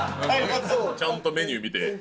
ちゃんとメニュー見て。